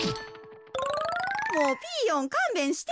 もうピーヨンかんべんしてや。